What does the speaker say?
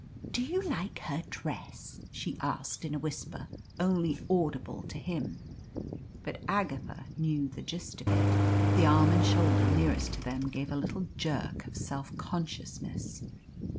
"Do you like her dress?" she asked in a whisper only audible to him. But Agatha knew the gist of it. The arm and shoulder nearest to them gave a little jerk of self consciousness.